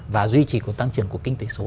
và duy trì tăng trưởng của kinh tế số